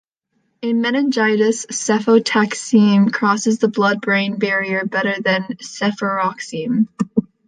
In meningitis, cefotaxime crosses the blood-brain barrier better than cefuroxime.